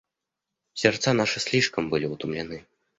Сердца наши слишком были утомлены.